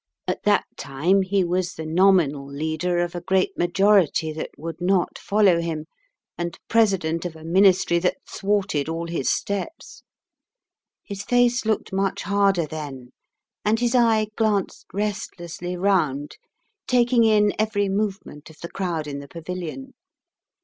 At that time he was the nominal leader of a great majority that would not follow him, and president of a Ministry that thwarted all his steps. His face looked much harder then, and his eye glanced restlessly round, taking in every movement of the crowd in the pavilion.